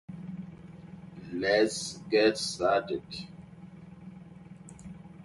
Decoding can continue from there.